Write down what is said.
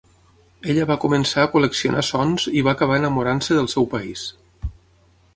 Ella va començar a col·leccionar sons i va acabar enamorant-se del seu país.